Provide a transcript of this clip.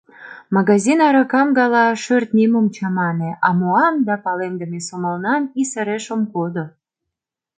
Магазин аракам гала, шӧртнем ом чамане, а муам да палемдыме сомылнам исыреш ом кодо.